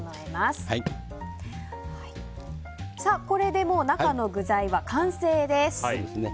これで中の具材は完成です。